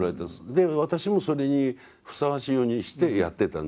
で私もそれにふさわしいようにしてやってたんですよ。